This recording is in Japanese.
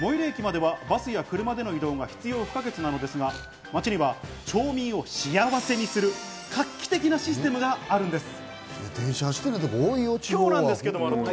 最寄り駅まではバスや車での移動が必要不可欠なのですが、町には町民を幸せにする画期的なシステムがあるんです。